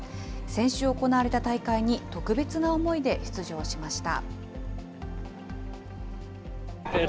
先週行われた大会に特別な思いで出場しました。